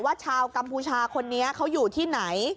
ชาวกัมพูชาคนนี้เขาอยู่ที่ไหน